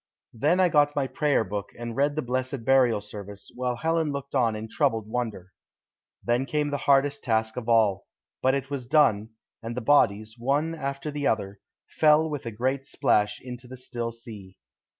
Then I got my prayer book and read the blessed burial service, while Helen looked on in troubled wonder. Then came the hardest task of all, but it was done, and the bodies, one after the other, fell with a great splash into the still sea.